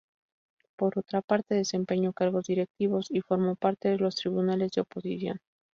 Por otra parte, desempeñó cargos directivos y formó parte de los tribunales de oposición.